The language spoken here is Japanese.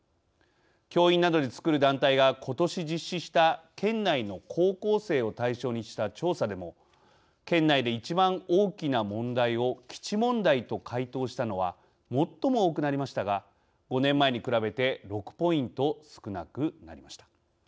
教員などでつくる団体がことし実施した県内の高校生を対象にした調査でも県内で一番大きな問題を基地問題と回答したのは最も多くなりましたが５年前に比べて６ポイント少なくなりました。